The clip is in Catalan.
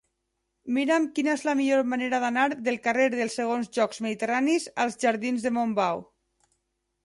Mira'm quina és la millor manera d'anar del carrer dels Segons Jocs Mediterranis als jardins de Montbau.